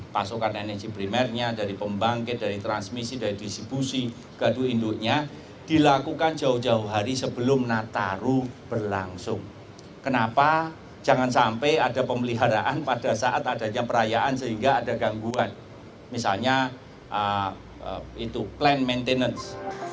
perusahaan listrik diperlukan untuk memperbaiki perayaan pada saat adanya perayaan sehingga ada gangguan misalnya itu plan maintenance